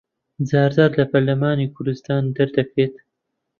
جار جارە لە پەرلەمانی کوردستان دەردەکرێت